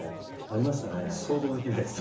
想像できないです。